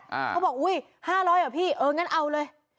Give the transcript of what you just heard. เขาบอกอุ้ย๕๐๐เหรอพี่เอองั้นเอาเลย